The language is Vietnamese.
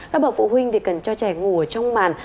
các bậc phụ huynh thì cần cho trẻ ngủ ở trong màn